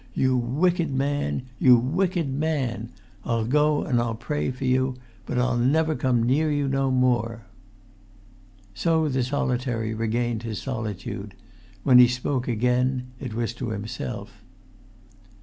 You wicked man! You wicked man! I'll go and I'll pray for you; but I'll never come near you no more." So the solitary regained his solitude; when he spoke again, it was to himself.